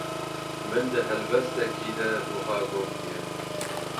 Min di helbestekî de wiha gotiye: